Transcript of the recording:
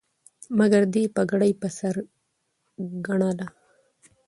ما دې پګړۍ په سر ګنله